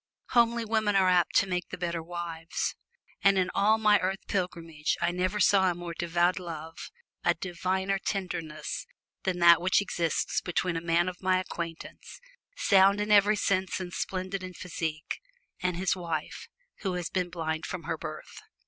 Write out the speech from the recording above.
Homely women are apt to make the better wives, and in all my earth pilgrimage I never saw a more devoted love a diviner tenderness than that which exists between a man of my acquaintance, sound in every sense and splendid in physique, and his wife, who has been blind from her birth.